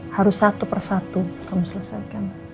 harus satu persatu kamu selesaikan